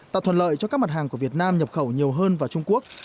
tạo thuận lợi cho các mặt hàng của việt nam nhập khẩu nhiều hơn vào trung quốc